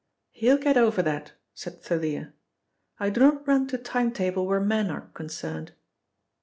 "He'll get over that," said Thalia. "I do not run to time table where men arc concerned."